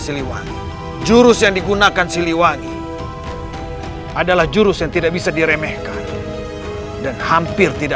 siliwangi jurus yang digunakan siliwangi adalah jurus yang tidak bisa diremehkan dan hampir tidak